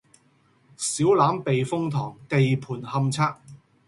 小欖避風塘地盤勘測